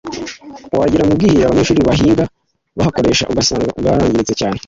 wagera mu bw’iherero abanyeshuri bahiga bakoresha ugasanga bwarangiritse cyane